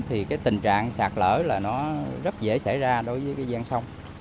thì tình trạng sạt lở rất dễ xảy ra đối với ven sông